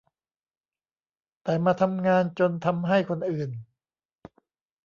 แต่มาทำงานจนทำให้คนอื่น